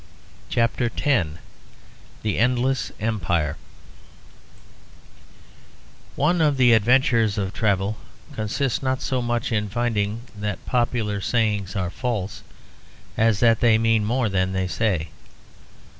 CHAPTER X THE ENDLESS EMPIRE One of the adventures of travel consists, not so much in finding that popular sayings are false, as that they mean more than they say.